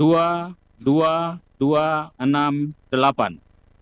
dua dua enam delapan